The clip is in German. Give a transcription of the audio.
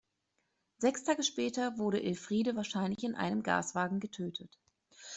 Sechs Tage später wurde Elfriede wahrscheinlich in einem Gaswagen getötet.